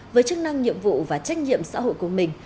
với chức năng nhiệm vụ và trách nhiệm xã hội của mình